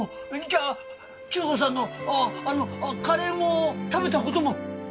じゃあ千鶴子さんのカレーも食べたことも？